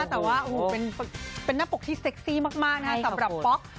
แต่ว่าเป็นหน้าปกที่เซ็กซี่มากนะครับสำหรับป๊อก